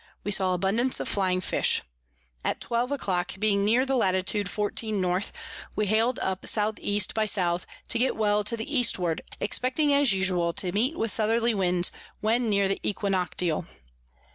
We saw abundance of flying Fish. At 12 a clock being near the Lat. 14 N. we hal'd up S E. by S. to get well to the Eastward, expecting as usual to meet with Southerly Winds, when near the Equinoctial.